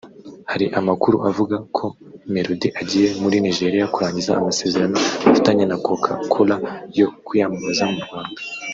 Hari amakuru avuga ko Melodie agiye muri Nigeria kurangiza amasezerano afitanye na Coca Cola yo kuyamamaza mu Rwanda